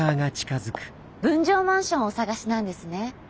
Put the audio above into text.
分譲マンションをお探しなんですね。